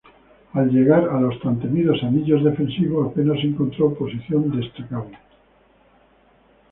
Al llegar a los tan temidos anillos defensivos, apenas se encontró oposición destacable.